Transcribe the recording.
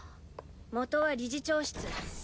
元は理事長室。